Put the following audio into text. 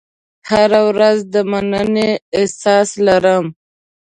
هره ورځ د مننې احساس لرم.